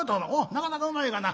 『なかなかうまいがな』。